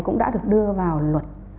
cũng đã được đưa vào luật